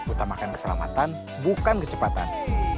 utamakan keselamatan bukan kecepatan